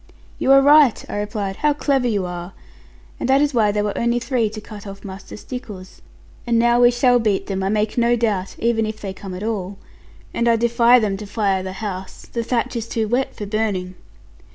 'You are right,' I replied; 'how clever you are! and that is why there were only three to cut off Master Stickles. And now we shall beat them, I make no doubt, even if they come at all. And I defy them to fire the house: the thatch is too wet for burning.'